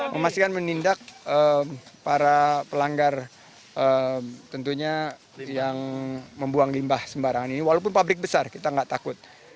memastikan menindak para pelanggar tentunya yang membuang limbah sembarangan ini walaupun pabrik besar kita nggak takut